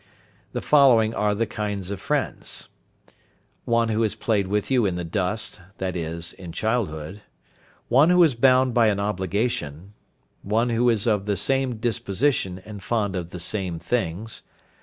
The following are the kind of friends: One who has played with you in the dust, i.e., in childhood. One who is bound by an obligation. One who is of the same disposition and fond of the same things.